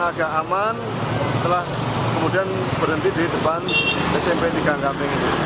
tidak aman setelah kemudian berhenti di depan smp tiga kp